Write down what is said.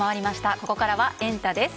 ここからはエンタ！です。